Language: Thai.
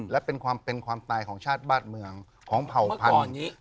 และเป็นความตายของชาติบ้านเมืองของเผ่าพัน